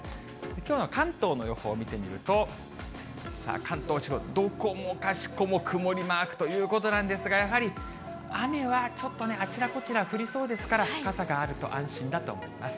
きょうの関東の予報見てみると、関東地方、どこもかしこも曇りマークということなんですがやはり雨はちょっとね、あちらこちら降りそうですから、傘があると安心だと思います。